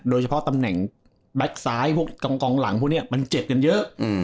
โดยเฉพาะตำแหน่งแบล็คซ้ายกองกองหลังพวกนี้มันเจ็บกันเยอะ